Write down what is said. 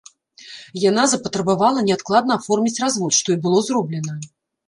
Яна запатрабавала неадкладна аформіць развод, што і было зроблена.